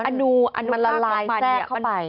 อันูอันูภาพของมันมันละลายแทรกเข้าไป